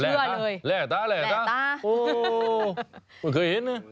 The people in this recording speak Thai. โอ้วแหละตาแหละตาโอ้วเคยเห็นนี่